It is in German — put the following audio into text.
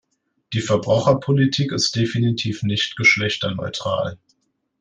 Die Verbraucherpolitik ist definitiv nicht geschlechterneutral.